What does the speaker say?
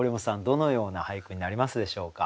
どのような俳句になりますでしょうか。